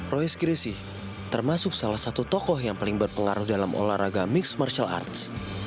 royce grace termasuk salah satu tokoh yang paling berpengaruh dalam olahraga mixed martial arts